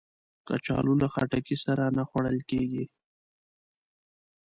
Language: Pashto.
کچالو له خټکی سره نه خوړل کېږي